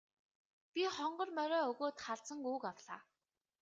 Би хонгор морио өгөөд халзан гүүг авлаа.